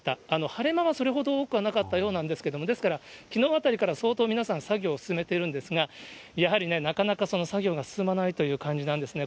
晴れ間がそれほど多くはなかったようなんですけれども、ですから、きのうあたりから相当皆さん、作業を進めているんですが、やはりね、なかなかその作業が進まないという感じなんですね。